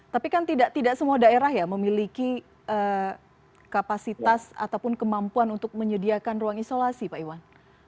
tapi kan tidak semua daerah ya memiliki kapasitas ataupun kemampuan untuk menyediakan ruang isolasi pak iwan